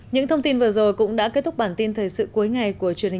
những thông tin vừa rồi cũng đã kết thúc bản tin thời sự cuối ngày của truyền hình